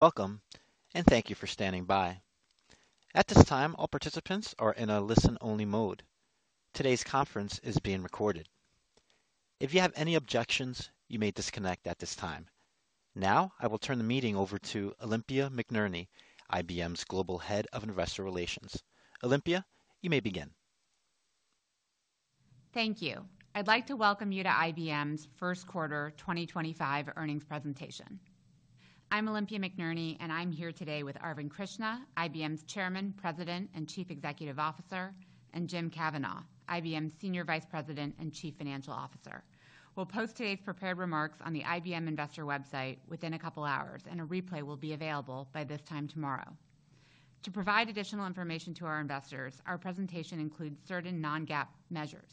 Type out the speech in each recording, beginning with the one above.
Welcome, and thank you for standing by. At this time, all participants are in a listen-only mode. Today's conference is being recorded. If you have any objections, you may disconnect at this time. Now, I will turn the meeting over to Olympia McNerney, IBM's Global Head of Investor Relations. Olympia, you may begin. Thank you. I'd like to welcome you to IBM's First Quarter 2025 Earnings Presentation. I'm Olympia McNerney, and I'm here today with Arvind Krishna, IBM's Chairman, President, and Chief Executive Officer, and Jim Kavanaugh, IBM's Senior Vice President and Chief Financial Officer. We'll post today's prepared remarks on the IBM Investor website within a couple of hours, and a replay will be available by this time tomorrow. To provide additional information to our investors, our presentation includes certain non-GAAP measures.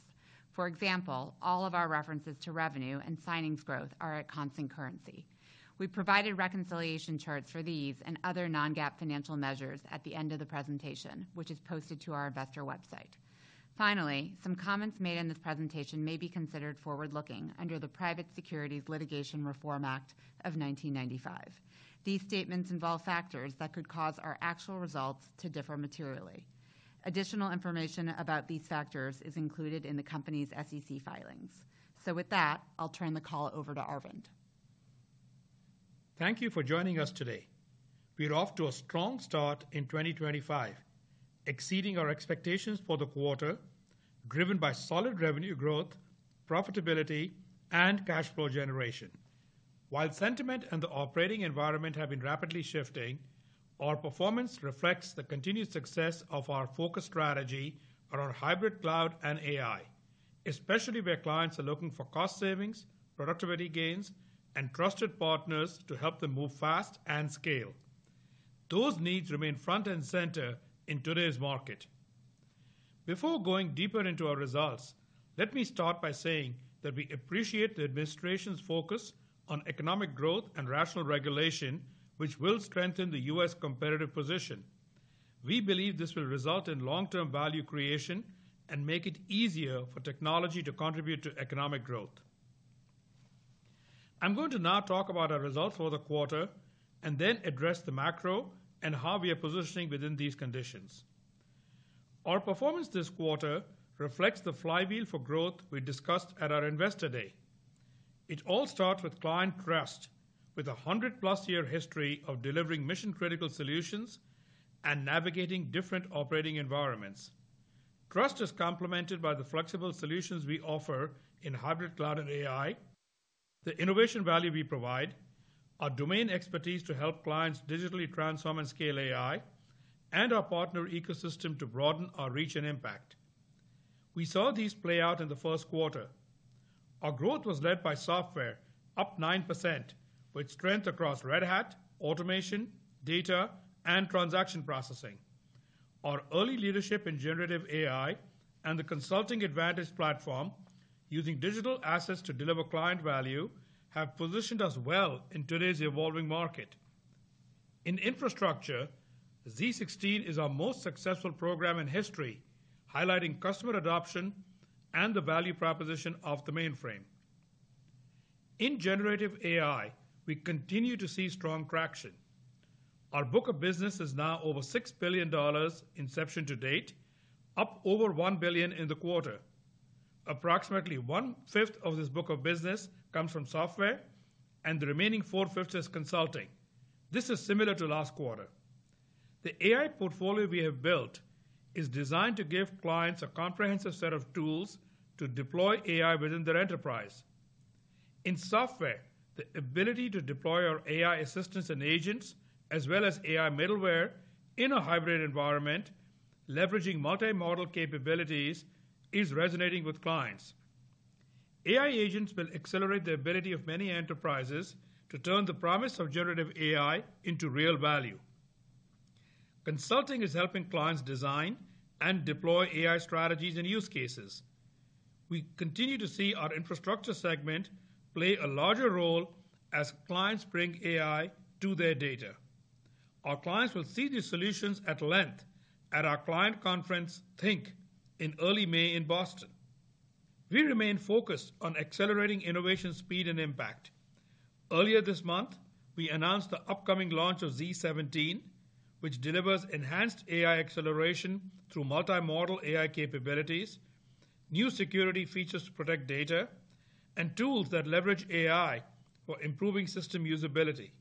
For example, all of our references to revenue and signings growth are at constant currency. We've provided reconciliation charts for these and other non-GAAP financial measures at the end of the presentation, which is posted to our Investor website. Finally, some comments made in this presentation may be considered forward-looking under the Private Securities Litigation Reform Act of 1995. These statements involve factors that could cause our actual results to differ materially. Additional information about these factors is included in the company's SEC filings. With that, I'll turn the call over to Arvind. Thank you for joining us today. We're off to a strong start in 2025, exceeding our expectations for the quarter, driven by solid revenue growth, profitability, and cash flow generation. While sentiment and the operating environment have been rapidly shifting, our performance reflects the continued success of our focused strategy around hybrid cloud and AI, especially where clients are looking for cost savings, productivity gains, and trusted partners to help them move fast and scale. Those needs remain front and center in today's market. Before going deeper into our results, let me start by saying that we appreciate the administration's focus on economic growth and rational regulation, which will strengthen the U.S. competitive position. We believe this will result in long-term value creation and make it easier for technology to contribute to economic growth. I'm going to now talk about our results for the quarter and then address the macro and how we are positioning within these conditions. Our performance this quarter reflects the flywheel for growth we discussed at our Investor Day. It all starts with client trust, with a 100+ year history of delivering mission-critical solutions and navigating different operating environments. Trust is complemented by the flexible solutions we offer in hybrid cloud and AI, the innovation value we provide, our domain expertise to help clients digitally transform and scale AI, and our partner ecosystem to broaden our reach and impact. We saw these play out in the first quarter. Our growth was led by software, up 9%, with strength across Red Hat, automation, data, and transaction processing. Our early leadership in generative AI and the Consulting Advantage platform, using digital assets to deliver client value, have positioned us well in today's evolving market. In infrastructure, z16 is our most successful program in history, highlighting customer adoption and the value proposition of the mainframe. In generative AI, we continue to see strong traction. Our book of business is now over $6 billion inception to date, up over $1 billion in the quarter. Approximately one-fifth of this book of business comes from software, and the remaining four-fifths is consulting. This is similar to last quarter. The AI portfolio we have built is designed to give clients a comprehensive set of tools to deploy AI within their enterprise. In software, the ability to deploy our AI assistants and agents, as well as AI middleware, in a hybrid environment, leveraging multimodal capabilities, is resonating with clients. AI agents will accelerate the ability of many enterprises to turn the promise of generative AI into real value. Consulting is helping clients design and deploy AI strategies and use cases. We continue to see our infrastructure segment play a larger role as clients bring AI to their data. Our clients will see these solutions at length at our client conference, Think, in early May in Boston. We remain focused on accelerating innovation speed and impact. Earlier this month, we announced the upcoming launch of z17, which delivers enhanced AI acceleration through multimodal AI capabilities, new security features to protect data, and tools that leverage AI for improving system usability.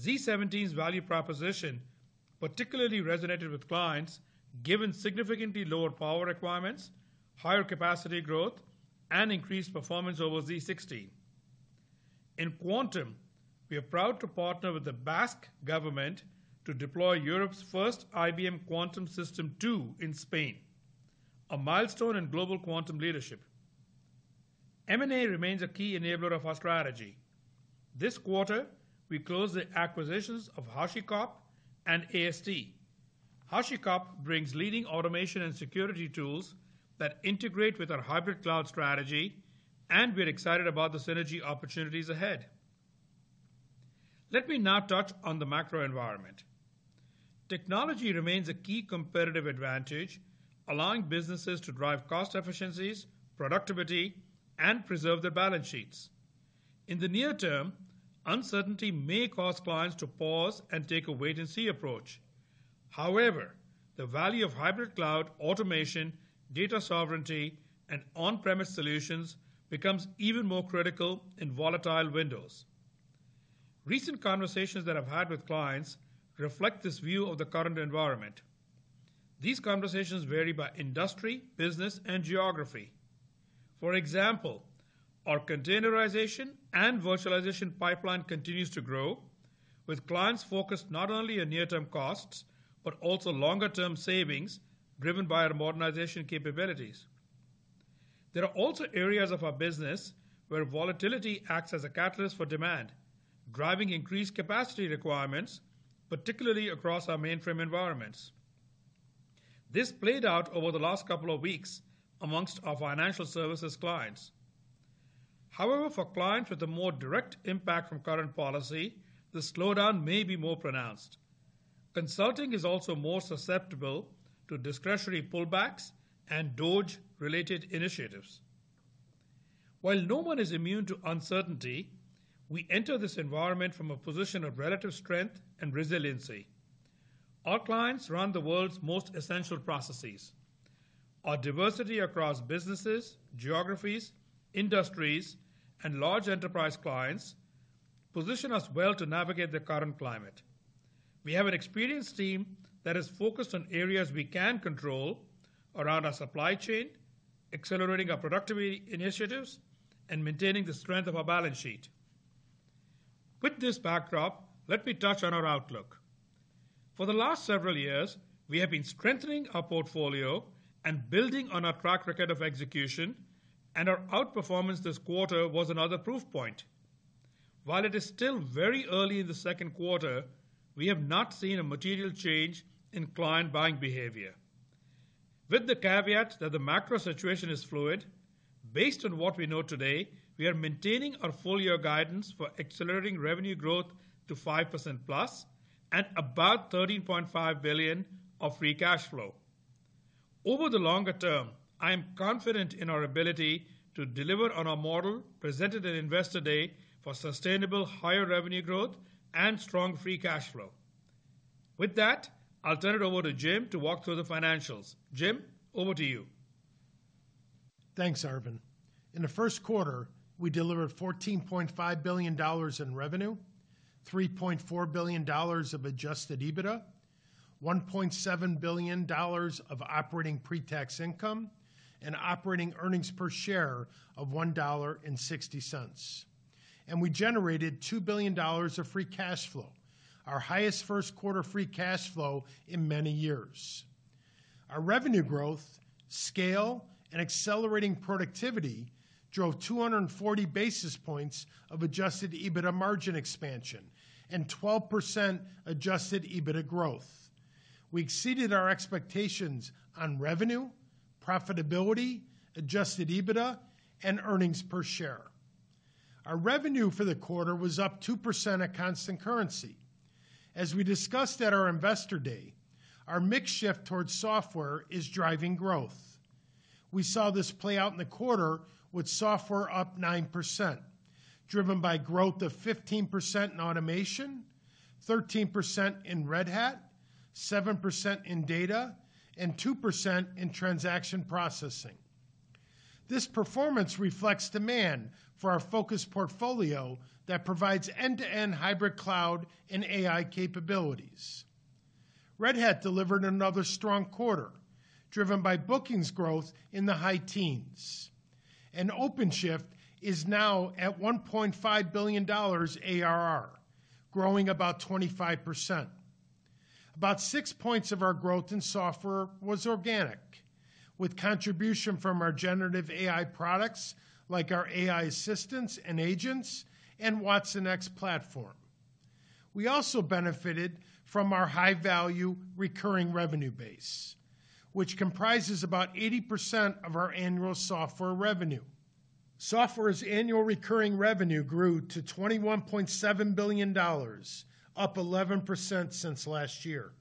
z17's value proposition particularly resonated with clients, given significantly lower power requirements, higher capacity growth, and increased performance over z16. In quantum, we are proud to partner with the Basque Government to deploy Europe's first IBM Quantum System Two in Spain, a milestone in global quantum leadership. M&A remains a key enabler of our strategy. This quarter, we closed the acquisitions of HashiCorp and AST. HashiCorp brings leading automation and security tools that integrate with our hybrid cloud strategy, and we're excited about the synergy opportunities ahead. Let me now touch on the macro environment. Technology remains a key competitive advantage, allowing businesses to drive cost efficiencies, productivity, and preserve their balance sheets. In the near term, uncertainty may cause clients to pause and take a wait-and-see approach. However, the value of hybrid cloud, automation, data sovereignty, and on-premise solutions becomes even more critical in volatile windows. Recent conversations that I've had with clients reflect this view of the current environment. These conversations vary by industry, business, and geography. For example, our containerization and virtualization pipeline continues to grow, with clients focused not only on near-term costs but also longer-term savings driven by our modernization capabilities. There are also areas of our business where volatility acts as a catalyst for demand, driving increased capacity requirements, particularly across our mainframe environments. This played out over the last couple of weeks amongst our financial services clients. However, for clients with a more direct impact from current policy, the slowdown may be more pronounced. Consulting is also more susceptible to discretionary pullbacks and DOGE-related initiatives. While no one is immune to uncertainty, we enter this environment from a position of relative strength and resiliency. Our clients run the world's most essential processes. Our diversity across businesses, geographies, industries, and large enterprise clients positions us well to navigate the current climate. We have an experienced team that is focused on areas we can control around our supply chain, accelerating our productivity initiatives, and maintaining the strength of our balance sheet. With this backdrop, let me touch on our outlook. For the last several years, we have been strengthening our portfolio and building on our track record of execution, and our outperformance this quarter was another proof point. While it is still very early in the second quarter, we have not seen a material change in client buying behavior. With the caveat that the macro situation is fluid, based on what we know today, we are maintaining our four-year guidance for accelerating revenue growth to 5%+ and about $13.5 billion of free cash flow. Over the longer term, I am confident in our ability to deliver on our model presented at Investor Day for sustainable higher revenue growth and strong free cash flow. With that, I'll turn it over to Jim to walk through the financials. Jim, over to you. Thanks, Arvind. In the first quarter, we delivered $14.5 billion in revenue, $3.4 billion of adjusted EBITDA, $1.7 billion of operating pre-tax income, and operating earnings per share of $1.60. We generated $2 billion of free cash flow, our highest first quarter free cash flow in many years. Our revenue growth, scale, and accelerating productivity drove 240 basis points of adjusted EBITDA margin expansion and 12% adjusted EBITDA growth. We exceeded our expectations on revenue, profitability, adjusted EBITDA, and earnings per share. Our revenue for the quarter was up 2% at constant currency. As we discussed at our Investor Day, our mix shift towards software is driving growth. We saw this play out in the quarter with software up 9%, driven by growth of 15% in automation, 13% in Red Hat, 7% in data, and 2% in transaction processing. This performance reflects demand for our focused portfolio that provides end-to-end hybrid cloud and AI capabilities. Red Hat delivered another strong quarter, driven by bookings growth in the high teens. OpenShift is now at $1.5 billion ARR, growing about 25%. About six points of our growth in software was organic, with contribution from our generative AI products like our AI assistants and agents and watsonx platform. We also benefited from our high-value recurring revenue base, which comprises about 80% of our annual software revenue. Software's annual recurring revenue grew to $21.7 billion, up 11% since last year.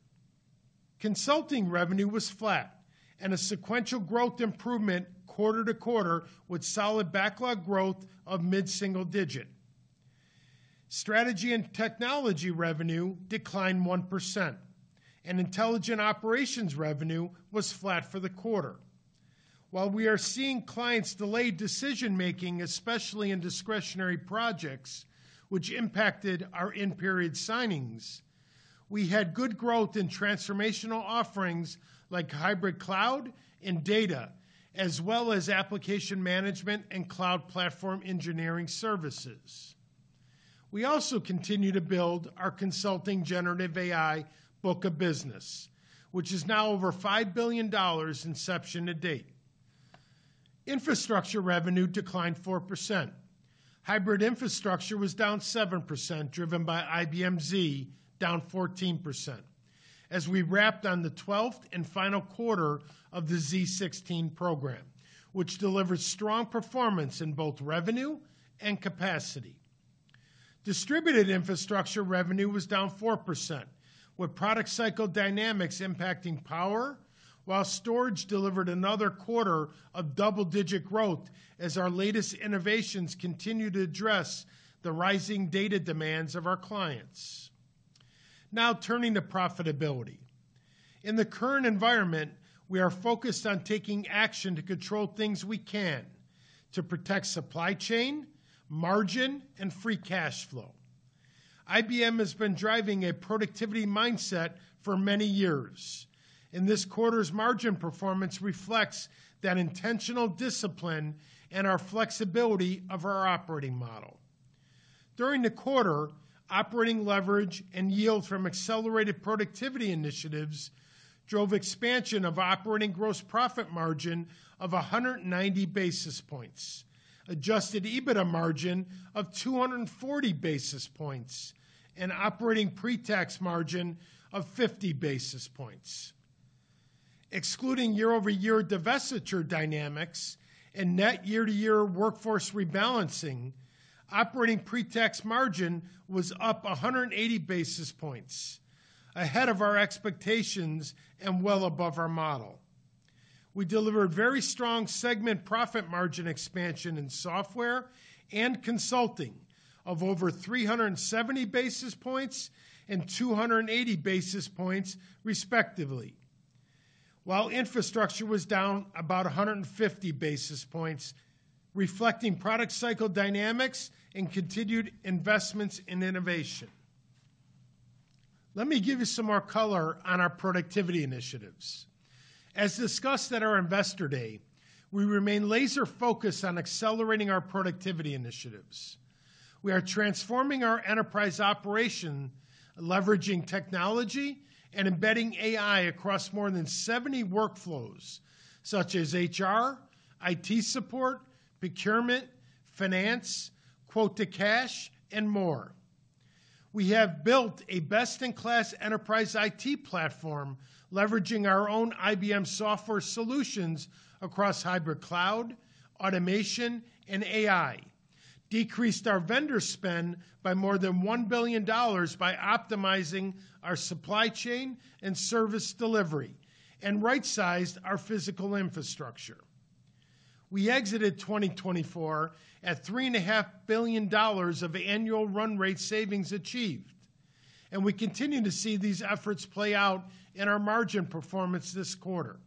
Consulting revenue was flat, and a sequential growth improvement quarter to quarter with solid backlog growth of mid-single digit. Strategy and technology revenue declined 1%, and intelligent operations revenue was flat for the quarter. While we are seeing clients delay decision-making, especially in discretionary projects, which impacted our in-period signings, we had good growth in transformational offerings like hybrid cloud and data, as well as application management and cloud platform engineering services. We also continue to build our consulting generative AI book of business, which is now over $5 billion inception to date. Infrastructure revenue declined 4%. Hybrid infrastructure was down 7%, driven by IBM Z, down 14%, as we wrapped on the 12th and final quarter of the z16 program, which delivered strong performance in both revenue and capacity. Distributed infrastructure revenue was down 4%, with product cycle dynamics impacting power, while storage delivered another quarter of double-digit growth as our latest innovations continue to address the rising data demands of our clients. Now turning to profitability. In the current environment, we are focused on taking action to control things we can to protect supply chain, margin, and free cash flow. IBM has been driving a productivity mindset for many years. This quarter's margin performance reflects that intentional discipline and our flexibility of our operating model. During the quarter, operating leverage and yield from accelerated productivity initiatives drove expansion of operating gross profit margin of 190 basis points, adjusted EBITDA margin of 240 basis points, and operating pre-tax margin of 50 basis points. Excluding year-over-year divestiture dynamics and net year-to-year workforce rebalancing, operating pre-tax margin was up 180 basis points, ahead of our expectations and well above our model. We delivered very strong segment profit margin expansion in software and consulting of over 370 basis points and 280 basis points, respectively, while infrastructure was down about 150 basis points, reflecting product cycle dynamics and continued investments in innovation. Let me give you some more color on our productivity initiatives. As discussed at our Investor Day, we remain laser-focused on accelerating our productivity initiatives. We are transforming our enterprise operation, leveraging technology and embedding AI across more than 70 workflows, such as HR, IT support, procurement, finance, quote-to-cash, and more. We have built a best-in-class enterprise IT platform, leveraging our own IBM software solutions across hybrid cloud, automation, and AI, decreased our vendor spend by more than $1 billion by optimizing our supply chain and service delivery, and right-sized our physical infrastructure. We exited 2024 at $3.5 billion of annual run rate savings achieved, and we continue to see these efforts play out in our margin performance this quarter.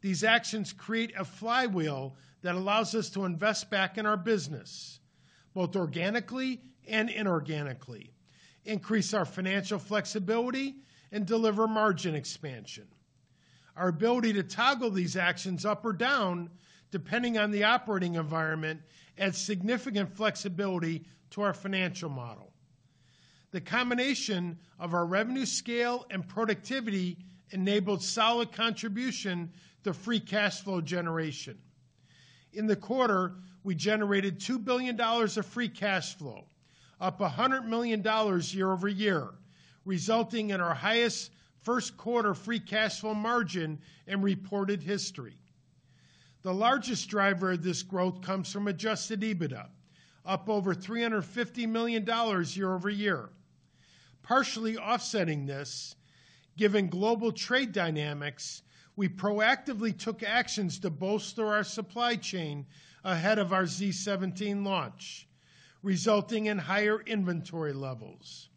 These actions create a flywheel that allows us to invest back in our business, both organically and inorganically, increase our financial flexibility, and deliver margin expansion. Our ability to toggle these actions up or down, depending on the operating environment, adds significant flexibility to our financial model. The combination of our revenue scale and productivity enabled solid contribution to free cash flow generation. In the quarter, we generated $2 billion of free cash flow, up $100 million year-over-year, resulting in our highest first-quarter free cash flow margin in reported history. The largest driver of this growth comes from adjusted EBITDA, up over $350 million year-over-year. Partially offsetting this, given global trade dynamics, we proactively took actions to bolster our supply chain ahead of our z17 launch, resulting in higher inventory levels.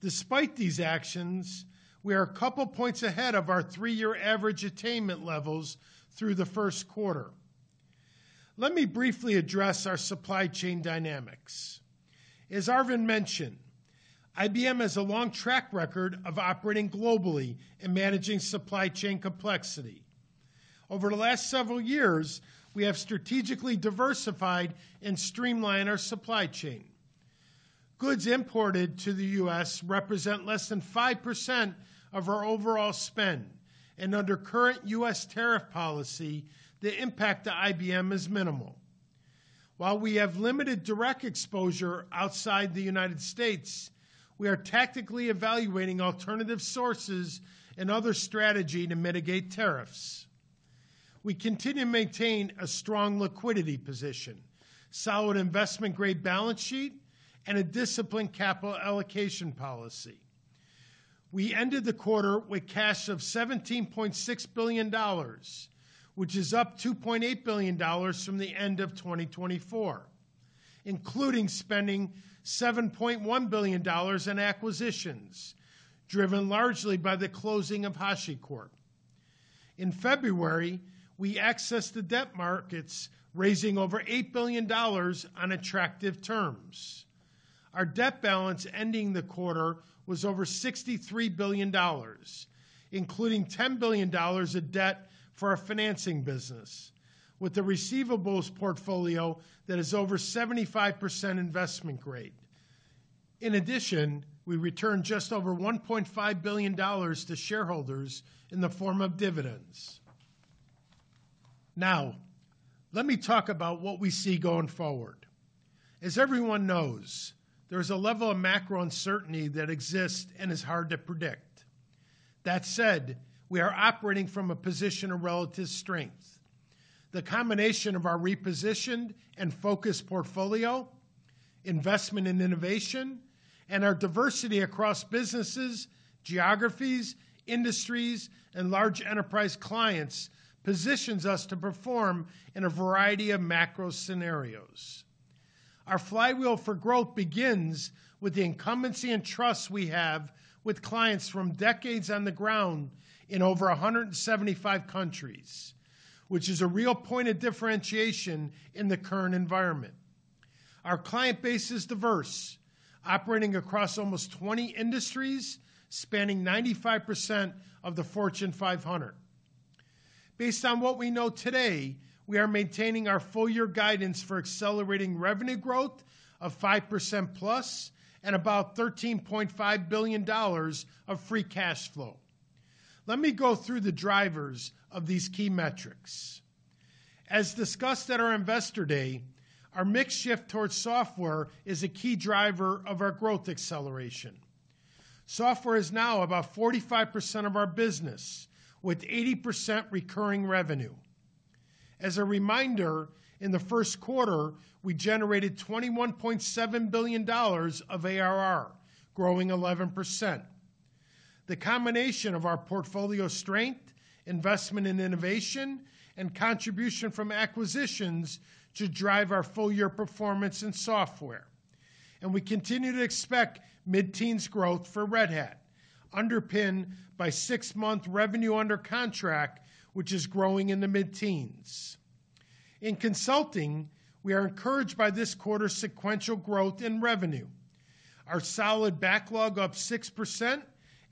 Despite these actions, we are a couple points ahead of our three-year average attainment levels through the first quarter. Let me briefly address our supply chain dynamics. As Arvind mentioned, IBM has a long track record of operating globally and managing supply chain complexity. Over the last several years, we have strategically diversified and streamlined our supply chain. Goods imported to the U.S. represent less than 5% of our overall spend, and under current U.S. tariff policy, the impact to IBM is minimal. While we have limited direct exposure outside the United States, we are tactically evaluating alternative sources and other strategies to mitigate tariffs. We continue to maintain a strong liquidity position, solid investment-grade balance sheet, and a disciplined capital allocation policy. We ended the quarter with cash of $17.6 billion, which is up $2.8 billion from the end of 2024, including spending $7.1 billion in acquisitions, driven largely by the closing of HashiCorp. In February, we accessed the debt markets, raising over $8 billion on attractive terms. Our debt balance ending the quarter was over $63 billion, including $10 billion of debt for our financing business, with a receivables portfolio that is over 75% investment grade. In addition, we returned just over $1.5 billion to shareholders in the form of dividends. Now, let me talk about what we see going forward. As everyone knows, there is a level of macro uncertainty that exists and is hard to predict. That said, we are operating from a position of relative strength. The combination of our repositioned and focused portfolio, investment in innovation, and our diversity across businesses, geographies, industries, and large enterprise clients positions us to perform in a variety of macro scenarios. Our flywheel for growth begins with the incumbency and trust we have with clients from decades on the ground in over 175 countries, which is a real point of differentiation in the current environment. Our client base is diverse, operating across almost 20 industries, spanning 95% of the Fortune 500. Based on what we know today, we are maintaining our four-year guidance for accelerating revenue growth of 5%+ and about $13.5 billion of free cash flow. Let me go through the drivers of these key metrics. As discussed at our Investor Day, our mixed shift towards software is a key driver of our growth acceleration. Software is now about 45% of our business, with 80% recurring revenue. As a reminder, in the first quarter, we generated $21.7 billion of ARR, growing 11%. The combination of our portfolio strength, investment in innovation, and contribution from acquisitions should drive our full-year performance in software. We continue to expect mid-teens growth for Red Hat, underpinned by six-month revenue under contract, which is growing in the mid-teens. In consulting, we are encouraged by this quarter's sequential growth in revenue, our solid backlog up 6%,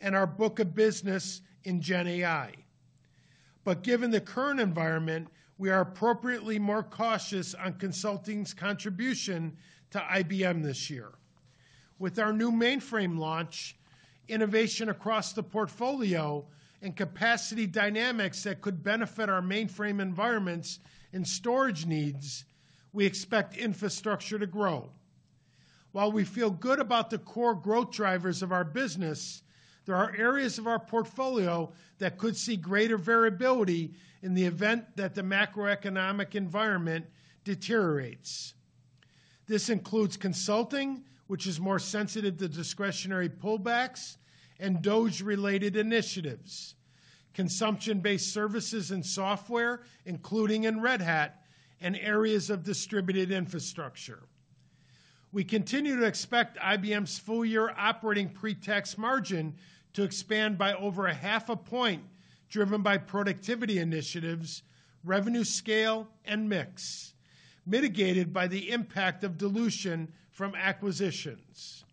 and our book of business in GenAI. Given the current environment, we are appropriately more cautious on consulting's contribution to IBM this year. With our new mainframe launch, innovation across the portfolio, and capacity dynamics that could benefit our mainframe environments and storage needs, we expect infrastructure to grow. While we feel good about the core growth drivers of our business, there are areas of our portfolio that could see greater variability in the event that the macroeconomic environment deteriorates. This includes consulting, which is more sensitive to discretionary pullbacks, and DOGE-related initiatives, consumption-based services and software, including in Red Hat, and areas of distributed infrastructure. We continue to expect IBM's full-year operating pre-tax margin to expand by over half a point, driven by productivity initiatives, revenue scale, and mix, mitigated by the impact of dilution from acquisitions.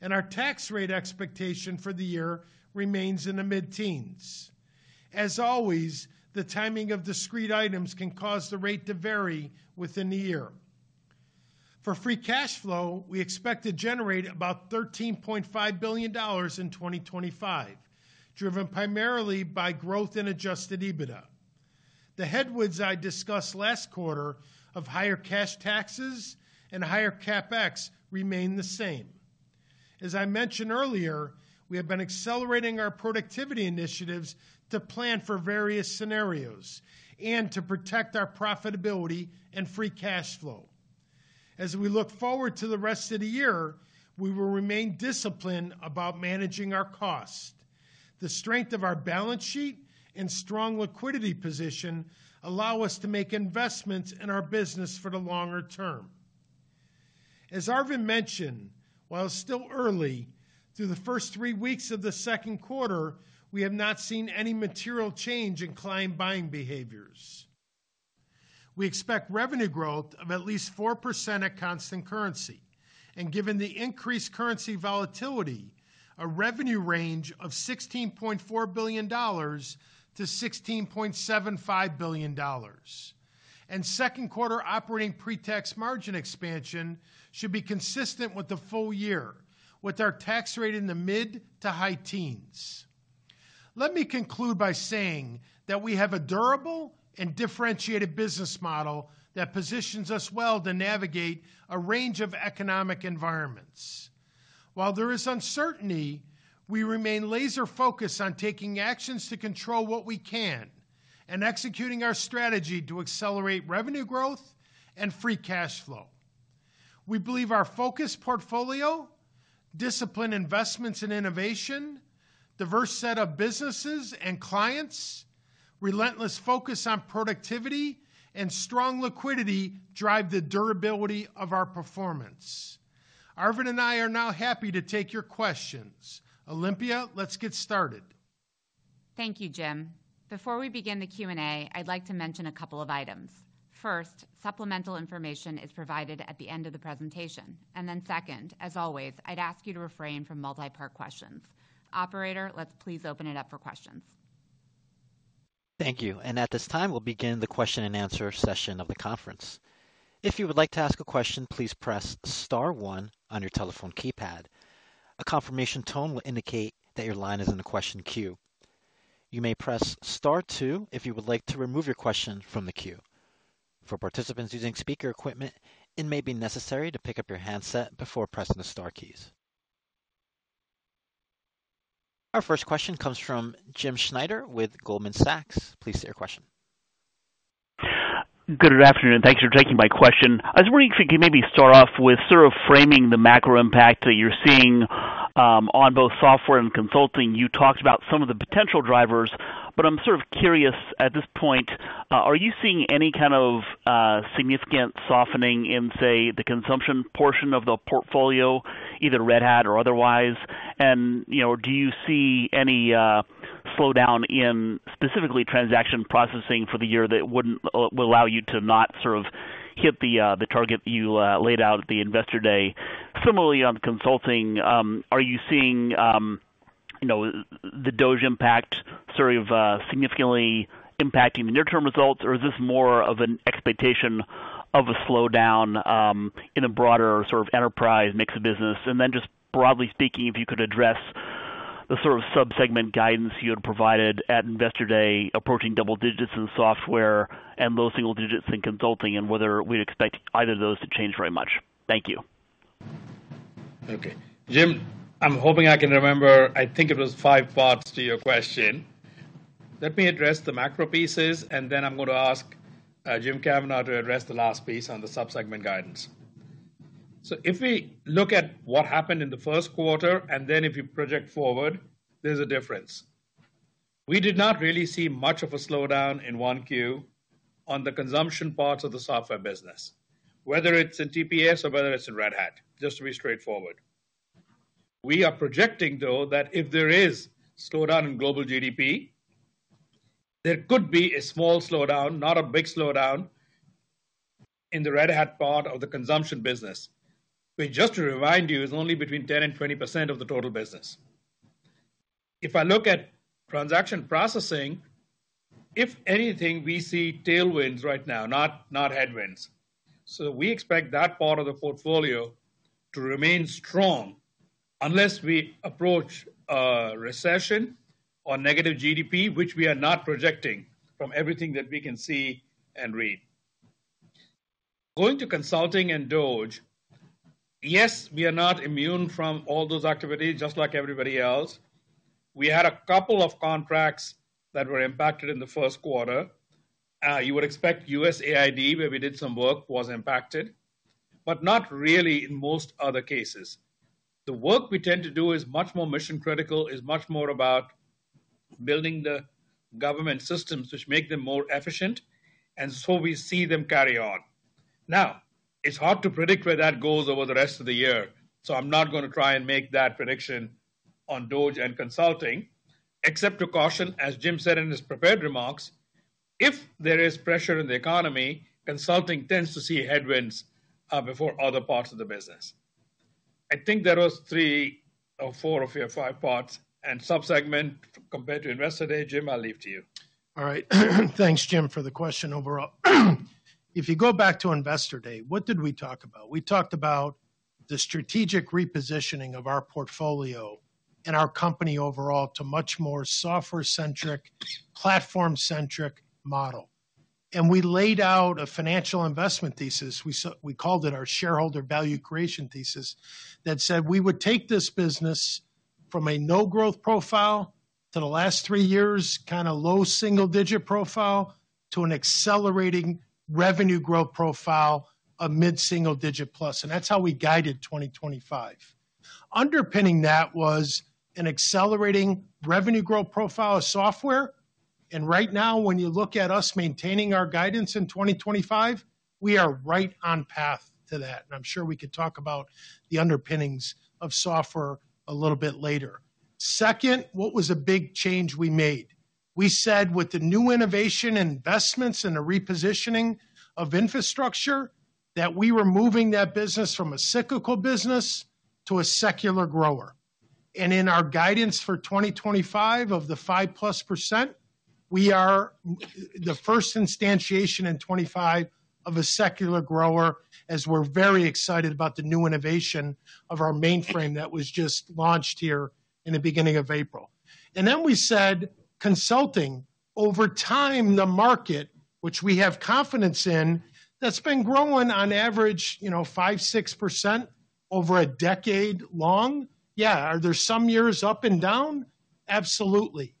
Our tax rate expectation for the year remains in the mid-teens. As always, the timing of discrete items can cause the rate to vary within the year. For free cash flow, we expect to generate about $13.5 billion in 2025, driven primarily by growth and adjusted EBITDA. The headwinds I discussed last quarter of higher cash taxes and higher CapEx remain the same. As I mentioned earlier, we have been accelerating our productivity initiatives to plan for various scenarios and to protect our profitability and free cash flow. As we look forward to the rest of the year, we will remain disciplined about managing our costs. The strength of our balance sheet and strong liquidity position allow us to make investments in our business for the longer term. As Arvind mentioned, while still early, through the first three weeks of the second quarter, we have not seen any material change in client buying behaviors. We expect revenue growth of at least 4% at constant currency. Given the increased currency volatility, a revenue range of $16.4 billion-$16.75 billion. Second quarter operating pre-tax margin expansion should be consistent with the full year, with our tax rate in the mid to high teens. Let me conclude by saying that we have a durable and differentiated business model that positions us well to navigate a range of economic environments. While there is uncertainty, we remain laser-focused on taking actions to control what we can and executing our strategy to accelerate revenue growth and free cash flow. We believe our focused portfolio, disciplined investments in innovation, a diverse set of businesses and clients, and relentless focus on productivity and strong liquidity drive the durability of our performance. Arvind and I are now happy to take your questions. Olympia, let's get started. Thank you, Jim. Before we begin the Q&A, I'd like to mention a couple of items. First, supplemental information is provided at the end of the presentation. Second, as always, I'd ask you to refrain from multi-part questions. Operator, let's please open it up for questions. Thank you. At this time, we'll begin the Q&A session of the conference. If you would like to ask a question, please press star one on your telephone keypad. A confirmation tone will indicate that your line is in the question queue. You may press star two if you would like to remove your question from the queue. For participants using speaker equipment, it may be necessary to pick up your handset before pressing the star keys. Our first question comes from Jim Schneider with Goldman Sachs. Please state your question. Good afternoon. Thanks for taking my question. I was wondering if we could maybe start off with sort of framing the macro impact that you're seeing on both software and consulting. You talked about some of the potential drivers, but I'm sort of curious at this point, are you seeing any kind of significant softening in, say, the consumption portion of the portfolio, either Red Hat or otherwise? Do you see any slowdown in specifically transaction processing for the year that would allow you to not sort of hit the target that you laid out at the investor day? Similarly, on consulting, are you seeing the DOGE impact sort of significantly impacting the near-term results, or is this more of an expectation of a slowdown in a broader sort of enterprise mix of business? Just broadly speaking, if you could address the sort of subsegment guidance you had provided at investor day approaching double digits in software and low single digits in consulting and whether we'd expect either of those to change very much. Thank you. Okay, Jim, I'm hoping I can remember. I think it was five parts to your question. Let me address the macro pieces, and then I'm going to ask Jim Kavanaugh to address the last piece on the subsegment guidance. If we look at what happened in the first quarter and then if you project forward, there's a difference. We did not really see much of a slowdown in 1Q on the consumption parts of the software business, whether it's in TPS or whether it's in Red Hat, just to be straightforward. We are projecting, though, that if there is a slowdown in global GDP, there could be a small slowdown, not a big slowdown, in the Red Hat part of the consumption business. Just to remind you, it's only between 10% and 20% of the total business. If I look at transaction processing, if anything, we see tailwinds right now, not headwinds. We expect that part of the portfolio to remain strong unless we approach a recession or negative GDP, which we are not projecting from everything that we can see and read. Going to consulting and DOGE, yes, we are not immune from all those activities, just like everybody else. We had a couple of contracts that were impacted in the first quarter. You would expect USAID, where we did some work, was impacted, but not really in most other cases. The work we tend to do is much more mission-critical, is much more about building the government systems, which make them more efficient, and so we see them carry on. Now, it's hard to predict where that goes over the rest of the year, so I'm not going to try and make that prediction on consulting, except to caution, as Jim said in his prepared remarks, if there is pressure in the economy, consulting tends to see headwinds before other parts of the business. I think there were three or four of your five parts and subsegment compared to investor day. Jim, I'll leave it to you. All right. Thanks, Jim, for the question overall. If you go back to investor day, what did we talk about? We talked about the strategic repositioning of our portfolio and our company overall to a much more software-centric, platform-centric model. We laid out a financial investment thesis. We called it our shareholder value creation thesis that said we would take this business from a no-growth profile to the last three years, kind of low single-digit profile, to an accelerating revenue growth profile, a mid-single-digit plus. That is how we guided 2025. Underpinning that was an accelerating revenue growth profile of software. Right now, when you look at us maintaining our guidance in 2025, we are right on path to that. I'm sure we could talk about the underpinnings of software a little bit later. Second, what was a big change we made? We said with the new innovation investments and the repositioning of infrastructure that we were moving that business from a cyclical business to a secular grower. In our guidance for 2025 of the 5%+, we are the first instantiation in 2025 of a secular grower, as we're very excited about the new innovation of our mainframe that was just launched here in the beginning of April. We said consulting, over time, the market, which we have confidence in, that's been growing on average 5%-6% over a decade long. Yeah, are there some years up and down? Absolutely.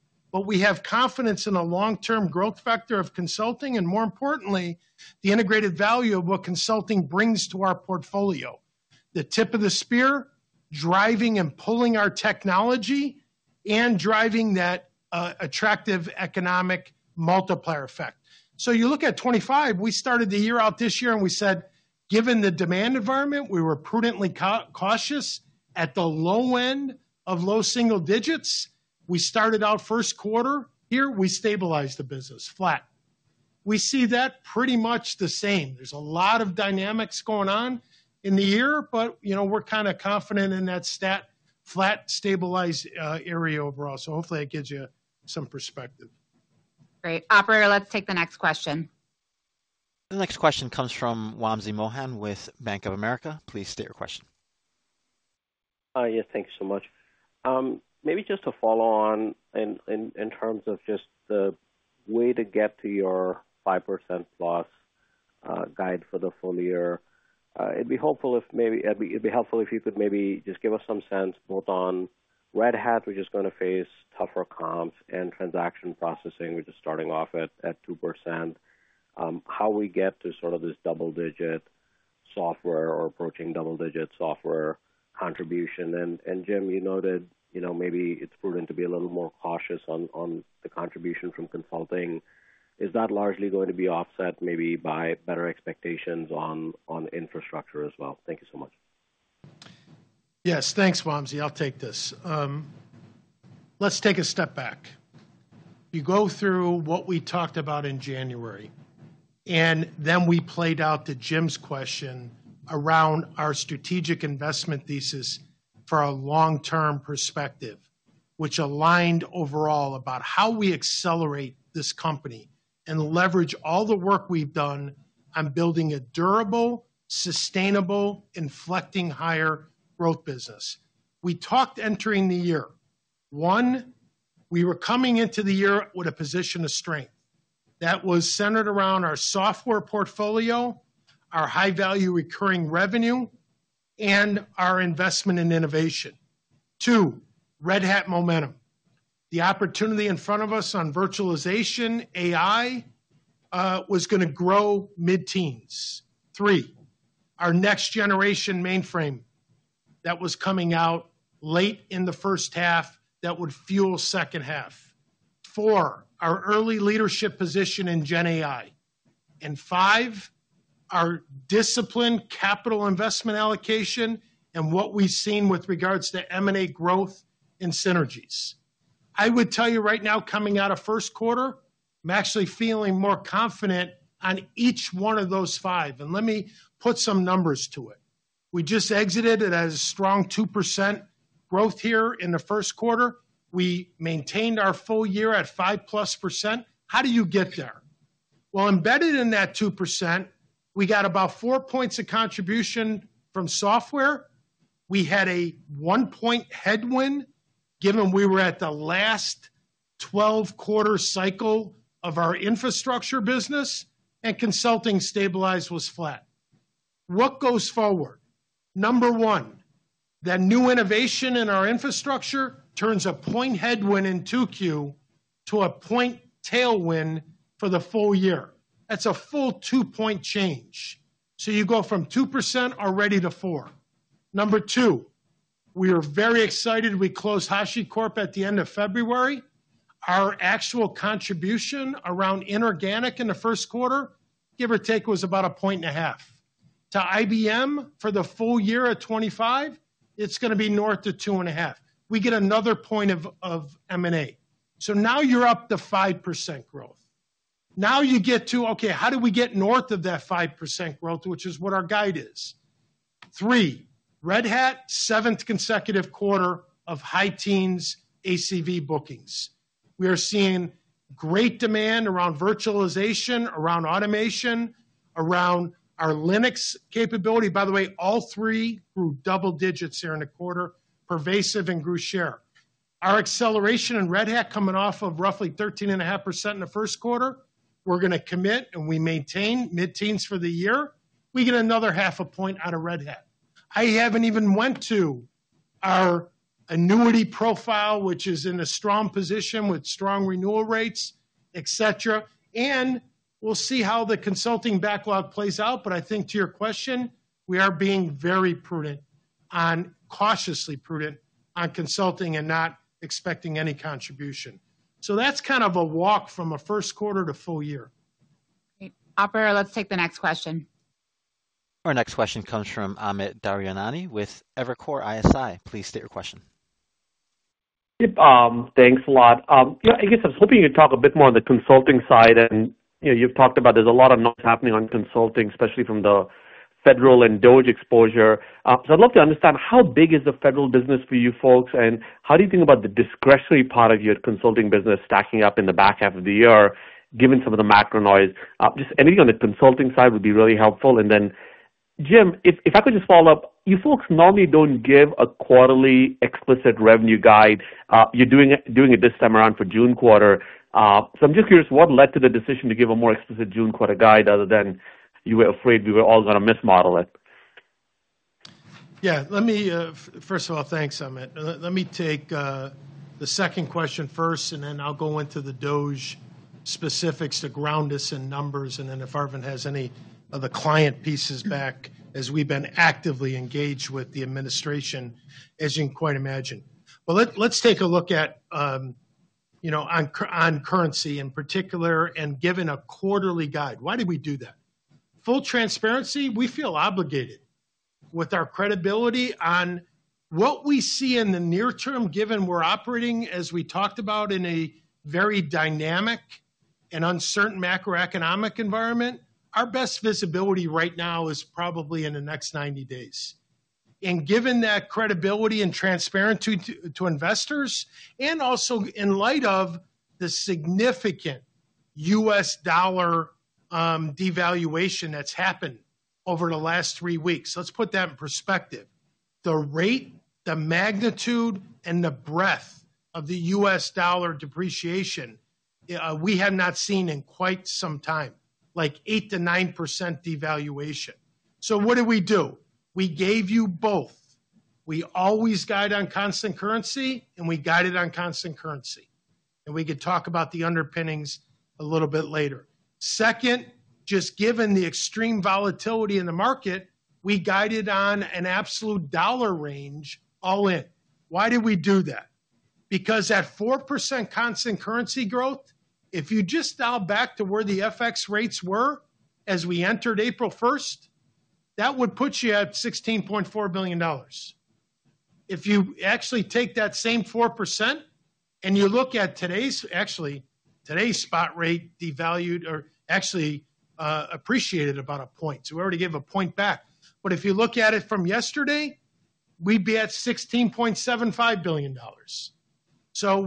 We have confidence in a long-term growth factor of consulting and, more importantly, the integrated value of what consulting brings to our portfolio. The tip of the spear, driving and pulling our technology and driving that attractive economic multiplier effect. You look at 2025, we started the year out this year and we said, given the demand environment, we were prudently cautious at the low end of low single digits. We started out first quarter here, we stabilized the business flat. We see that pretty much the same. There's a lot of dynamics going on in the year, but we're kind of confident in that stat, flat, stabilized area overall. Hopefully it gives you some perspective. Great. Operator, let's take the next question. The next question comes from Wamsi Mohan with Bank of America. Please state your question. Yes, thank you so much. Maybe just to follow on in terms of just the way to get to your 5%+ guide for the full year, it'd be helpful if maybe it'd be helpful if you could maybe just give us some sense both on Red Hat, which is going to face tougher comps and transaction processing, which is starting off at 2%, how we get to sort of this double-digit software or approaching double-digit software contribution. Jim, you noted maybe it's prudent to be a little more cautious on the contribution from consulting. Is that largely going to be offset maybe by better expectations on infrastructure as well? Thank you so much. Yes, thanks, Wamsi. I'll take this. Let's take a step back. You go through what we talked about in January, and then we played out to Jim's question around our strategic investment thesis for a long-term perspective, which aligned overall about how we accelerate this company and leverage all the work we've done on building a durable, sustainable, inflecting higher growth business. We talked entering the year. One, we were coming into the year with a position of strength. That was centered around our software portfolio, our high-value recurring revenue, and our investment in innovation. Two, Red Hat momentum. The opportunity in front of us on virtualization, AI, was going to grow mid-teens. Three, our next-generation mainframe that was coming out late in the first half that would fuel second half. Four, our early leadership position in GenAI. Five, our disciplined capital investment allocation and what we've seen with regards to M&A growth and synergies. I would tell you right now, coming out of first quarter, I'm actually feeling more confident on each one of those five. Let me put some numbers to it. We just exited it as a strong 2% growth here in the first quarter. We maintained our full year at 5%+. How do you get there? Embedded in that 2%, we got about four points of contribution from software. We had a one-point headwind given we were at the last 12-quarter cycle of our infrastructure business, and consulting stabilized was flat. What goes forward? Number one, that new innovation in our infrastructure turns a point headwind in 2Q to a point tailwind for the full year. That's a full two-point change. You go from 2% already to 4%. Number two, we are very excited. We closed HashiCorp at the end of February. Our actual contribution around inorganic in the first quarter, give or take, was about a point and a half. To IBM for the full year of 2025, it's going to be north of two and a half. We get another point of M&A. Now you're up to 5% growth. Now you get to, okay, how do we get north of that 5% growth, which is what our guide is? Three, Red Hat, seventh consecutive quarter of high teens ACV bookings. We are seeing great demand around virtualization, around automation, around our Linux capability. By the way, all three grew double digits here in a quarter, pervasive and grew share. Our acceleration in Red Hat coming off of roughly 13.5% in the first quarter, we're going to commit and we maintain mid-teens for the year. We get another half a point out of Red Hat. I haven't even went to our annuity profile, which is in a strong position with strong renewal rates, etc. We will see how the consulting backlog plays out. I think to your question, we are being very prudent on cautiously prudent on consulting and not expecting any contribution. That is kind of a walk from a first quarter to full year. Great. Operator, let's take the next question. Our next question comes from Amit Daryanani with Evercore ISI. Please state your question. Yep. Thanks a lot. Yeah, I guess I was hoping you'd talk a bit more on the consulting side. You've talked about there's a lot of noise happening on consulting, especially from the federal and DOGE exposure. I'd love to understand how big is the federal business for you folks, and how do you think about the discretionary part of your consulting business stacking up in the back half of the year, given some of the macro noise? Just anything on the consulting side would be really helpful. Jim, if I could just follow up, you folks normally don't give a quarterly explicit revenue guide. You're doing it this time around for June quarter. I'm just curious, what led to the decision to give a more explicit June quarter guide other than you were afraid we were all going to mismodel it? Yeah. Let me, first of all, thanks, Amit. Let me take the second question first, and then I'll go into the DOGE specifics to ground us in numbers, and then if Arvind has any of the client pieces back as we've been actively engaged with the administration, as you can quite imagine. Let's take a look at on currency in particular and given a quarterly guide. Why did we do that? Full transparency, we feel obligated with our credibility on what we see in the near term, given we're operating, as we talked about, in a very dynamic and uncertain macroeconomic environment. Our best visibility right now is probably in the next 90 days. And given that credibility and transparency to investors, and also in light of the significant U.S. dollar devaluation that's happened over the last three weeks, let's put that in perspective. The rate, the magnitude, and the breadth of the US dollar depreciation, we have not seen in quite some time, like 8%-9% devaluation. What did we do? We gave you both. We always guide on constant currency, and we guided on constant currency. We could talk about the underpinnings a little bit later. Second, just given the extreme volatility in the market, we guided on an absolute dollar range all in. Why did we do that? Because at 4% constant currency growth, if you just dial back to where the FX rates were as we entered April 1, that would put you at $16.4 billion. If you actually take that same 4% and you look at today's, actually, today's spot rate devalued or actually appreciated about a point, so we already gave a point back. If you look at it from yesterday, we'd be at $16.75 billion.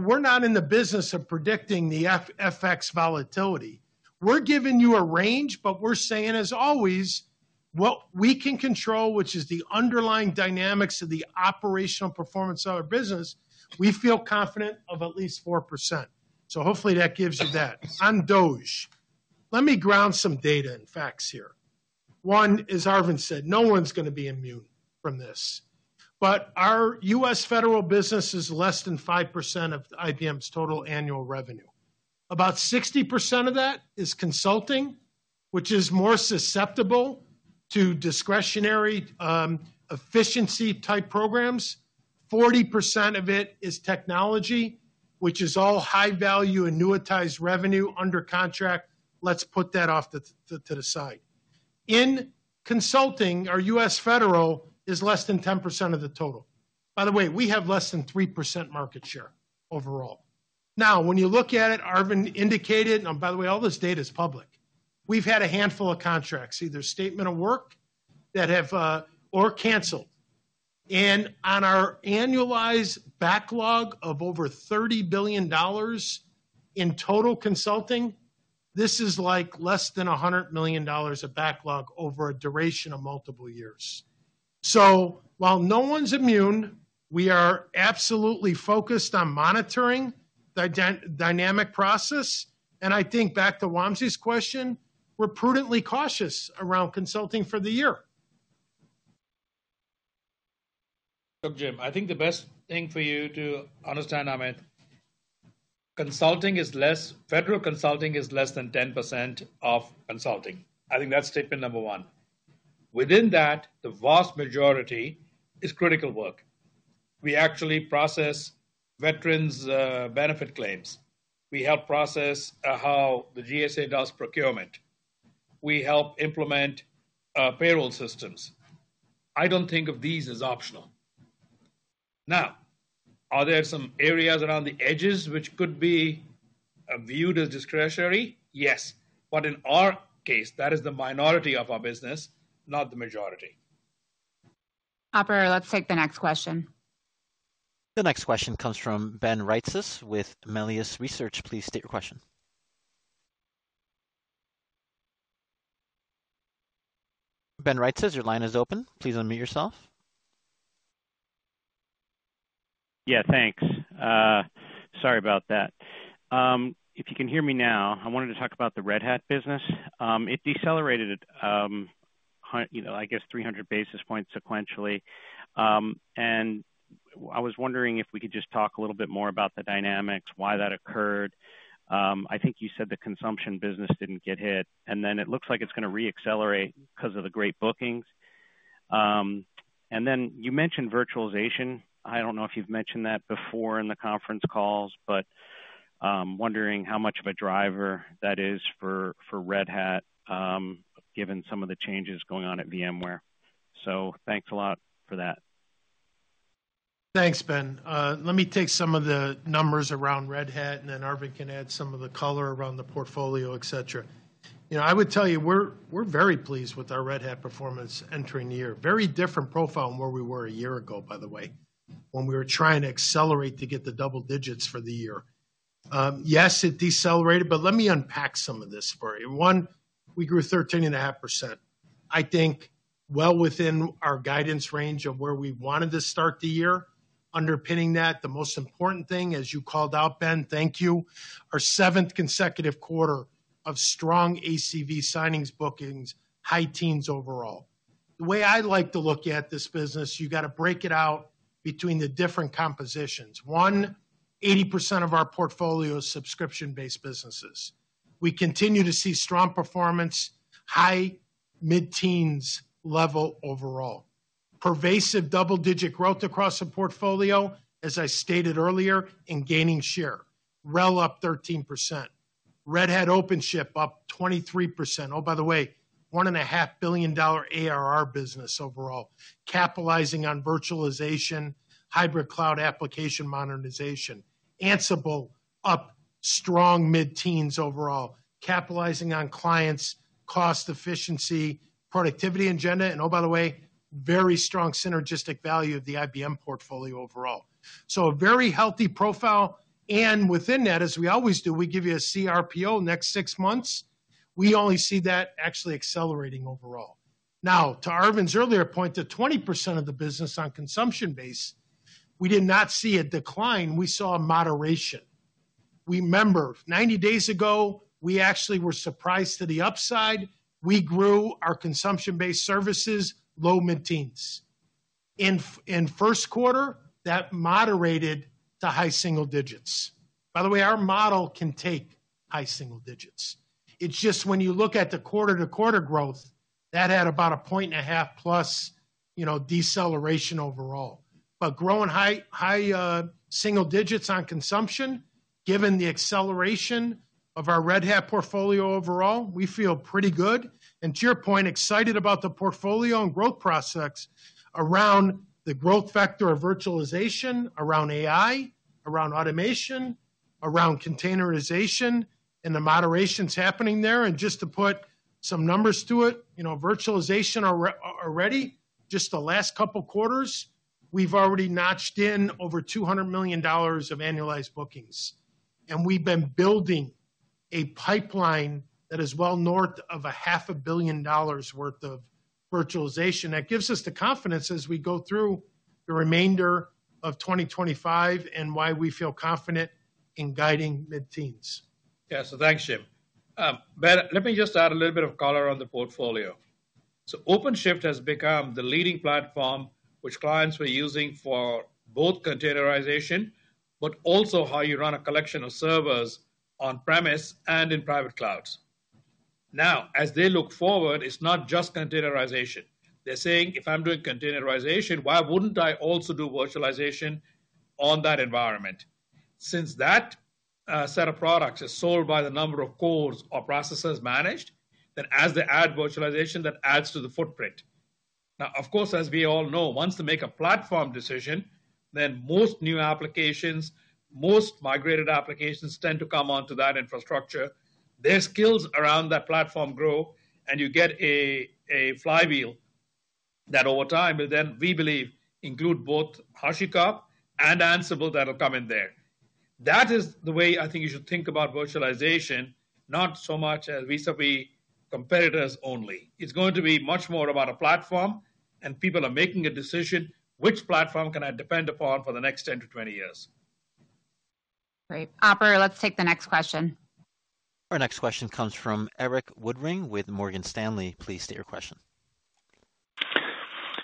We're not in the business of predicting the FX volatility. We're giving you a range, but we're saying, as always, what we can control, which is the underlying dynamics of the operational performance of our business, we feel confident of at least 4%. Hopefully that gives you that. On DOGE, let me ground some data and facts here. One, as Arvind said, no one's going to be immune from this. Our U.S. federal business is less than 5% of IBM's total annual revenue. About 60% of that is consulting, which is more susceptible to discretionary efficiency-type programs. 40% of it is technology, which is all high-value annuitized revenue under contract. Let's put that off to the side. In consulting, our U.S. federal is less than 10% of the total. By the way, we have less than 3% market share overall. Now, when you look at it, Arvind indicated, and by the way, all this data is public, we've had a handful of contracts, either statement of work that have or canceled. On our annualized backlog of over $30 billion in total consulting, this is like less than $100 million of backlog over a duration of multiple years. While no one's immune, we are absolutely focused on monitoring the dynamic process. I think back to Wamsi's question, we're prudently cautious around consulting for the year. Look, Jim, I think the best thing for you to understand, Amit, federal consulting is less than 10% of consulting. I think that's statement number one. Within that, the vast majority is critical work. We actually process veterans' benefit claims. We help process how the GSA does procurement. We help implement payroll systems. I don't think of these as optional. Now, are there some areas around the edges which could be viewed as discretionary? Yes. In our case, that is the minority of our business, not the majority. Operator, let's take the next question. The next question comes from Ben Reitzes with Melius Research. Please state your question. Ben Reitzes, your line is open. Please unmute yourself. Yeah, thanks. Sorry about that. If you can hear me now, I wanted to talk about the Red Hat business. It decelerated, I guess, 300 basis points sequentially. I was wondering if we could just talk a little bit more about the dynamics, why that occurred. I think you said the consumption business didn't get hit. It looks like it's going to re-accelerate because of the great bookings. You mentioned virtualization. I don't know if you've mentioned that before in the conference calls, but I'm wondering how much of a driver that is for Red Hat, given some of the changes going on at VMware. Thanks a lot for that. Thanks, Ben. Let me take some of the numbers around Red Hat, and then Arvind can add some of the color around the portfolio, etc. I would tell you we're very pleased with our Red Hat performance entering the year. Very different profile than where we were a year ago, by the way, when we were trying to accelerate to get the double digits for the year. Yes, it decelerated, but let me unpack some of this for you. One, we grew 13.5%. I think well within our guidance range of where we wanted to start the year. Underpinning that, the most important thing, as you called out, Ben, thank you, our seventh consecutive quarter of strong ACV signings bookings, high teens overall. The way I like to look at this business, you got to break it out between the different compositions. One, 80% of our portfolio is subscription-based businesses. We continue to see strong performance, high mid-teens level overall. Pervasive double-digit growth across the portfolio, as I stated earlier, and gaining share. RHEL up 13%. Red Hat OpenShift up 23%. Oh, by the way, $1.5 billion ARR business overall, capitalizing on virtualization, hybrid cloud application modernization. Ansible up strong mid-teens overall, capitalizing on clients, cost efficiency, productivity agenda. Oh, by the way, very strong synergistic value of the IBM portfolio overall. A very healthy profile. Within that, as we always do, we give you a cRPO next six months. We only see that actually accelerating overall. Now, to Arvind's earlier point, the 20% of the business on consumption base, we did not see a decline. We saw a moderation. Remember, 90 days ago, we actually were surprised to the upside. We grew our consumption-based services, low mid-teens. In first quarter, that moderated to high single digits. By the way, our model can take high single digits. It's just when you look at the quarter-to-quarter growth, that had about a point and a half plus deceleration overall. Growing high single digits on consumption, given the acceleration of our Red Hat portfolio overall, we feel pretty good. To your point, excited about the portfolio and growth process around the growth factor of virtualization, around AI, around automation, around containerization, and the moderations happening there. Just to put some numbers to it, virtualization already, just the last couple of quarters, we've already notched in over $200 million of annualized bookings. We've been building a pipeline that is well north of $500 million worth of virtualization. That gives us the confidence as we go through the remainder of 2025 and why we feel confident in guiding mid-teens. Yeah, thanks, Jim. Let me just add a little bit of color on the portfolio. OpenShift has become the leading platform, which clients were using for both containerization, but also how you run a collection of servers on-premise and in private clouds. Now, as they look forward, it's not just containerization. They're saying, "If I'm doing containerization, why wouldn't I also do virtualization on that environment?" Since that set of products is sold by the number of cores or processes managed, then as they add virtualization, that adds to the footprint. Now, of course, as we all know, once they make a platform decision, then most new applications, most migrated applications tend to come onto that infrastructure. Their skills around that platform grow, and you get a flywheel that over time will then, we believe, include both HashiCorp and Ansible that will come in there. That is the way I think you should think about virtualization, not so much as vis-à-vis competitors only. It's going to be much more about a platform, and people are making a decision, "Which platform can I depend upon for the next 10 to 20 years?" Great. Operator, let's take the next question. Our next question comes from Erik Woodring with Morgan Stanley. Please state your question.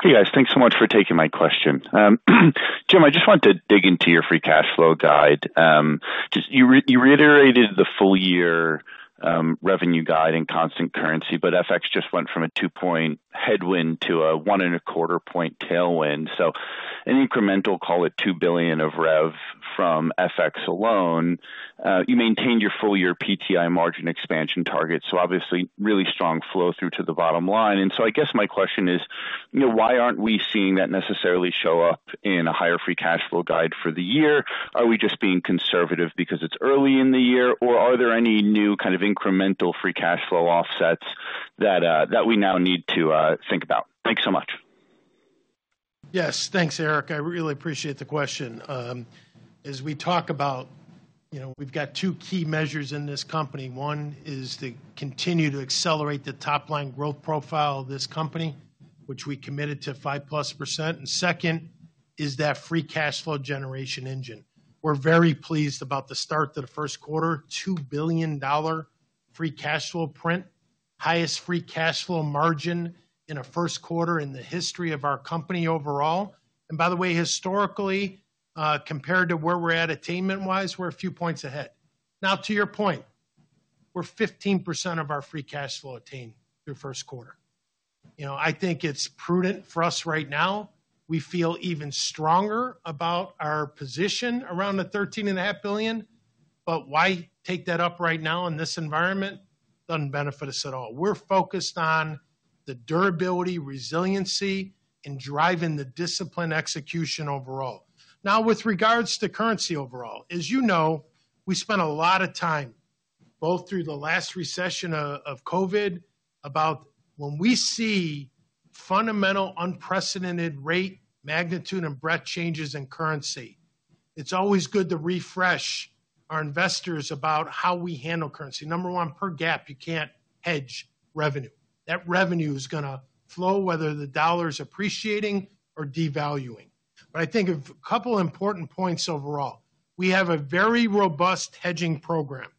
Hey, guys. Thanks so much for taking my question. Jim, I just wanted to dig into your free cash flow guide. You reiterated the full-year revenue guide and constant currency, but FX just went from a two-point headwind to a one and a quarter point tailwind. An incremental, call it $2 billion of revenue from FX alone, you maintained your full-year PTI margin expansion target. Obviously, really strong flow through to the bottom line. I guess my question is, why aren't we seeing that necessarily show up in a higher free cash flow guide for the year? Are we just being conservative because it's early in the year, or are there any new kind of incremental free cash flow offsets that we now need to think about? Thanks so much. Yes, thanks, Erik. I really appreciate the question. As we talk about, we've got two key measures in this company. One is to continue to accelerate the top-line growth profile of this company, which we committed to 5%+. Second is that free cash flow generation engine. We're very pleased about the start to the first quarter, $2 billion free cash flow print, highest free cash flow margin in a first quarter in the history of our company overall. By the way, historically, compared to where we're at attainment-wise, we're a few points ahead. Now, to your point, we're 15% of our free cash flow attained through first quarter. I think it's prudent for us right now. We feel even stronger about our position around the $13.5 billion. Why take that up right now in this environment? Doesn't benefit us at all. We're focused on the durability, resiliency, and driving the discipline execution overall. Now, with regards to currency overall, as you know, we spent a lot of time, both through the last recession of COVID, about when we see fundamental unprecedented rate magnitude and breadth changes in currency. It's always good to refresh our investors about how we handle currency. Number one, per GAAP, you can't hedge revenue. That revenue is going to flow whether the dollar is appreciating or devaluing. I think of a couple of important points overall. We have a very robust hedging program.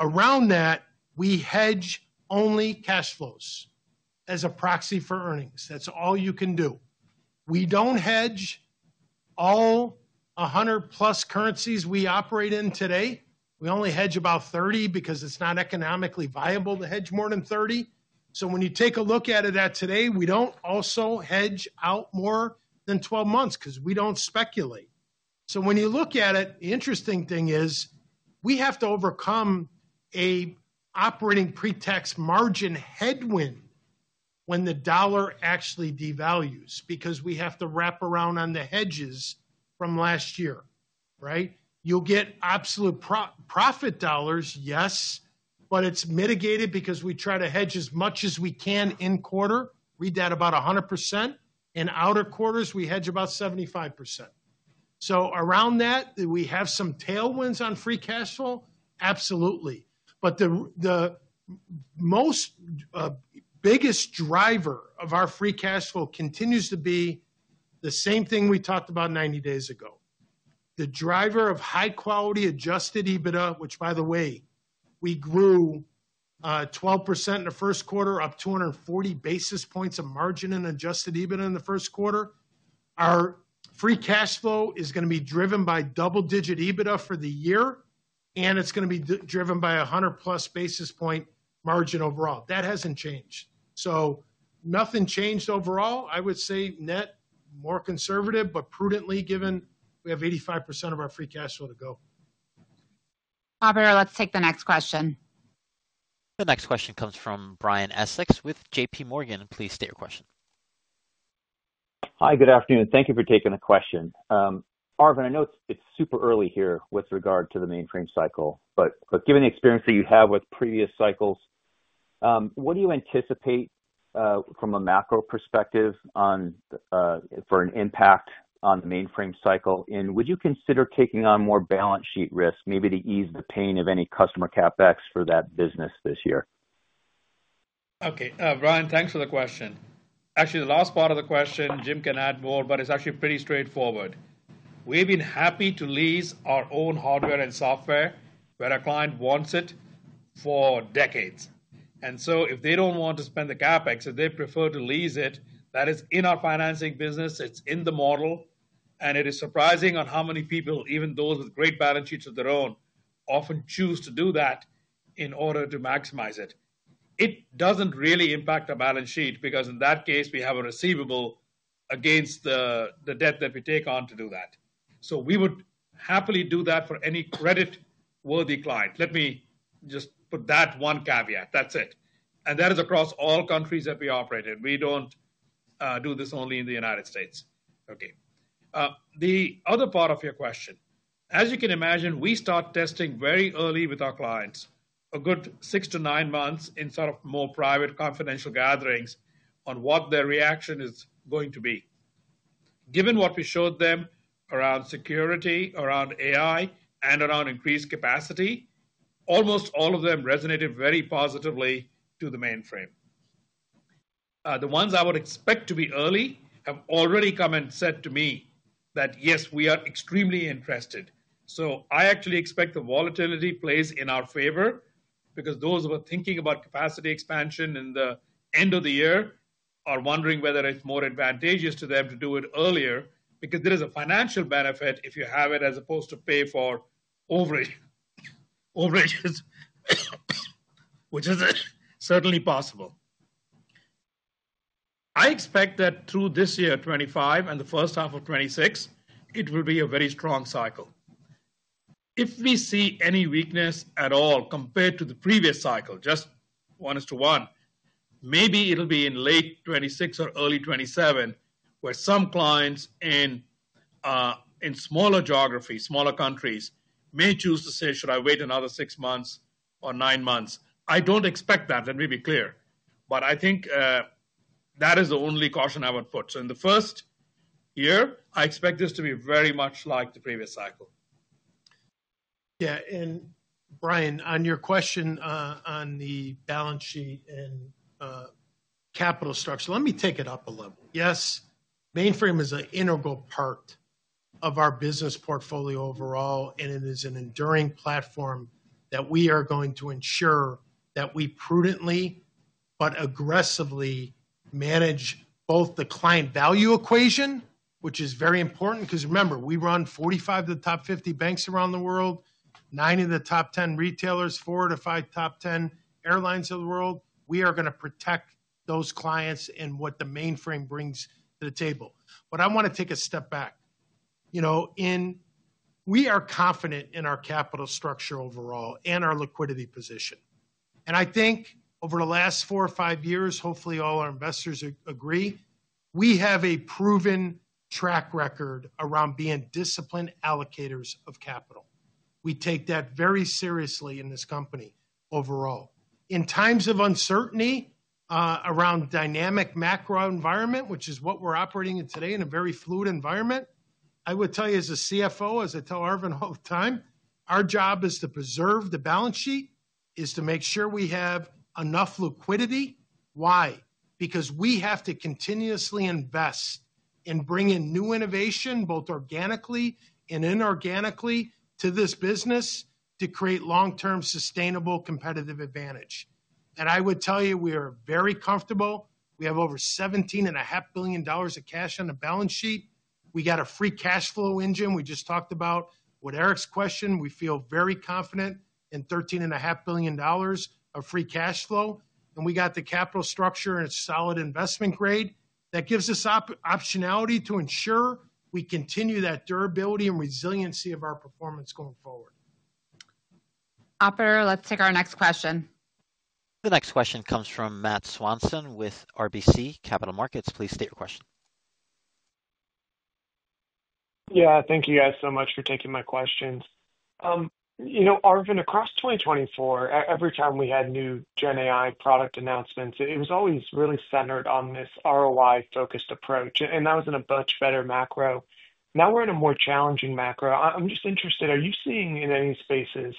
Around that, we hedge only cash flows as a proxy for earnings. That's all you can do. We don't hedge all 100+ currencies we operate in today. We only hedge about 30 because it's not economically viable to hedge more than 30. When you take a look at it today, we do not also hedge out more than 12 months because we do not speculate. When you look at it, the interesting thing is we have to overcome an operating pretext margin headwind when the dollar actually devalues because we have to wrap around on the hedges from last year. You will get absolute profit dollars, yes, but it is mitigated because we try to hedge as much as we can in quarter. Read that about 100%. In outer quarters, we hedge about 75%. Around that, do we have some tailwinds on free cash flow? Absolutely. The biggest driver of our free cash flow continues to be the same thing we talked about 90 days ago. The driver of high-quality adjusted EBITDA, which, by the way, we grew 12% in the first quarter, up 240 basis points of margin and adjusted EBITDA in the first quarter. Our free cash flow is going to be driven by double-digit EBITDA for the year, and it's going to be driven by 100+ basis point margin overall. That hasn't changed. Nothing changed overall. I would say net more conservative, but prudently given we have 85% of our free cash flow to go. Operator, let's take the next question. The next question comes from Brian Essex with J.P. Morgan. Please state your question. Hi, good afternoon. Thank you for taking the question. Arvind, I know it's super early here with regard to the mainframe cycle, but given the experience that you have with previous cycles, what do you anticipate from a macro perspective for an impact on the mainframe cycle? Would you consider taking on more balance sheet risk, maybe to ease the pain of any customer CapEx for that business this year? Okay. Brian, thanks for the question. Actually, the last part of the question, Jim can add more, but it's actually pretty straightforward. We've been happy to lease our own hardware and software where our client wants it for decades. If they do not want to spend the CapEx, if they prefer to lease it, that is in our financing business, it is in the model, and it is surprising how many people, even those with great balance sheets of their own, often choose to do that in order to maximize it. It does not really impact our balance sheet because in that case, we have a receivable against the debt that we take on to do that. We would happily do that for any credit-worthy client. Let me just put that one caveat. That is it. That is across all countries that we operate in. We do not do this only in the United States. Okay. The other part of your question, as you can imagine, we start testing very early with our clients, a good six to nine months in sort of more private confidential gatherings on what their reaction is going to be. Given what we showed them around security, around AI, and around increased capacity, almost all of them resonated very positively to the mainframe. The ones I would expect to be early have already come and said to me that, "Yes, we are extremely interested." I actually expect the volatility plays in our favor because those who are thinking about capacity expansion in the end of the year are wondering whether it's more advantageous to them to do it earlier because there is a financial benefit if you have it as opposed to pay for overages, which is certainly possible. I expect that through this year, 2025, and the first half of 2026, it will be a very strong cycle. If we see any weakness at all compared to the previous cycle, just one is to one, maybe it will be in late 2026 or early 2027, where some clients in smaller geographies, smaller countries, may choose to say, "Should I wait another six months or nine months?" I do not expect that. Let me be clear. I think that is the only caution I would put. In the first year, I expect this to be very much like the previous cycle. Yeah. Brian, on your question on the balance sheet and capital structure, let me take it up a level. Yes, mainframe is an integral part of our business portfolio overall, and it is an enduring platform that we are going to ensure that we prudently but aggressively manage both the client value equation, which is very important because remember, we run 45 of the top 50 banks around the world, 9 of the top 10 retailers, 4-5 top 10 airlines of the world. We are going to protect those clients and what the mainframe brings to the table. I want to take a step back. We are confident in our capital structure overall and our liquidity position. I think over the last four or five years, hopefully all our investors agree, we have a proven track record around being disciplined allocators of capital. We take that very seriously in this company overall. In times of uncertainty around dynamic macro environment, which is what we're operating in today in a very fluid environment, I would tell you as a CFO, as I tell Arvind all the time, our job is to preserve the balance sheet, is to make sure we have enough liquidity. Why? Because we have to continuously invest in bringing new innovation, both organically and inorganically, to this business to create long-term sustainable competitive advantage. I would tell you, we are very comfortable. We have over $17.5 billion of cash on the balance sheet. We got a free cash flow engine. We just talked about what Erik's question. We feel very confident in $13.5 billion of free cash flow. We got the capital structure and a solid investment grade that gives us optionality to ensure we continue that durability and resiliency of our performance going forward. Operator, let's take our next question. The next question comes from Matt Swanson with RBC Capital Markets. Please state your question. Yeah. Thank you, guys, so much for taking my questions. Arvind, across 2024, every time we had new GenAI product announcements, it was always really centered on this ROI-focused approach, and that was in a much better macro. Now we're in a more challenging macro. I'm just interested, are you seeing in any spaces,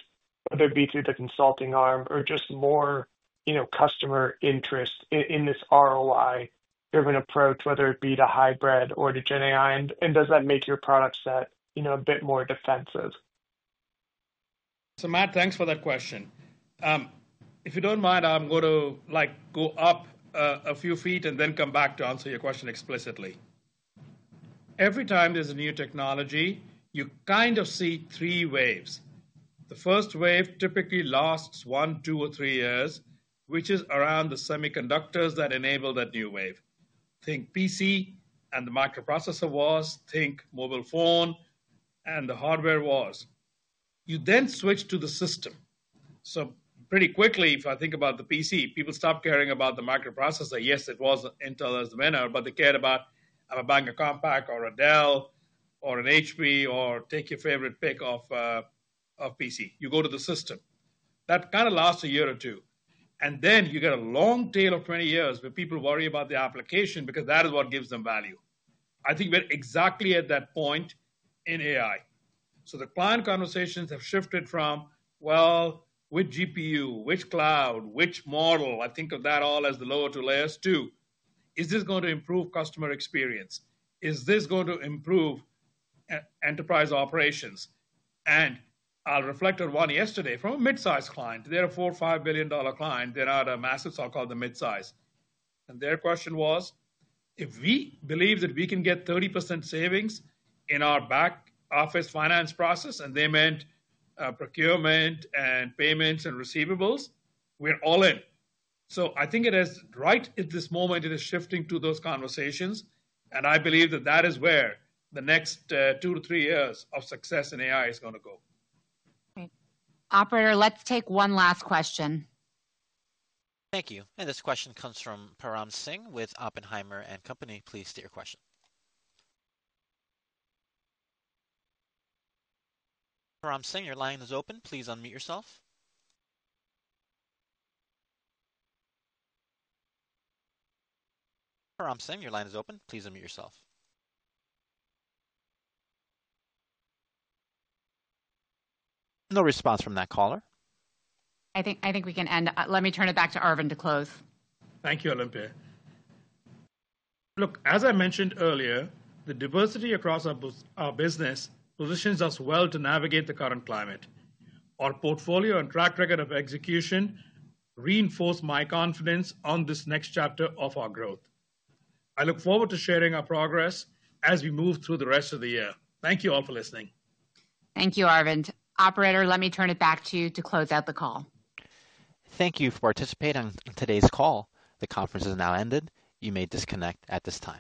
whether it be through the consulting arm or just more customer interest in this ROI-driven approach, whether it be to hybrid or to GenAI? Does that make your product set a bit more defensive? Matt, thanks for that question. If you don't mind, I'm going to go up a few feet and then come back to answer your question explicitly. Every time there's a new technology, you kind of see three waves. The first wave typically lasts one, two, or three years, which is around the semiconductors that enable that new wave. Think PC and the microprocessor was, think mobile phone and the hardware was. You then switch to the system. Pretty quickly, if I think about the PC, people stop caring about the microprocessor. Yes, it was Intel as the winner, but they cared about a Compaq or a Dell or an HP or take your favorite pick of PC. You go to the system. That kind of lasts a year or two. You get a long tail of 20 years where people worry about the application because that is what gives them value. I think we're exactly at that point in AI. The client conversations have shifted from, well, which GPU, which cloud, which model. I think of that all as the lower two layers too. Is this going to improve customer experience? Is this going to improve enterprise operations? I'll reflect on one yesterday from a mid-size client. They're a $4 billion-$5 billion client. They're not a massive so-called mid-size. Their question was, if we believe that we can get 30% savings in our back-office finance process, and they meant procurement and payments and receivables, we're all in. I think it is right at this moment, it is shifting to those conversations. I believe that that is where the next two to three years of success in AI is going to go. Operator, let's take one last question. Thank you. This question comes from Param Singh with Oppenheimer & Company. Please state your question. Param Singh, your line is open. Please unmute yourself. Param Singh, your line is open. Please unmute yourself. No response from that caller. I think we can end. Let me turn it back to Arvind to close. Thank you, Olympia. Look, as I mentioned earlier, the diversity across our business positions us well to navigate the current climate. Our portfolio and track record of execution reinforce my confidence on this next chapter of our growth. I look forward to sharing our progress as we move through the rest of the year. Thank you all for listening. Thank you, Arvind. Operator, let me turn it back to you to close out the call. Thank you for participating in today's call. The conference is now ended. You may disconnect at this time.